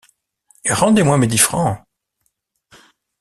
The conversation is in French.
Rendez-moi mes dix francs.